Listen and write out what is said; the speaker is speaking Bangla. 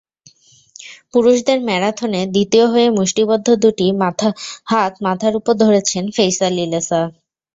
পুরুষদের ম্যারাথনে দ্বিতীয় হয়েই মুষ্টিবদ্ধ দুটি হাত মাথার ওপর ধরেছেন ফেইসা লিলেসা।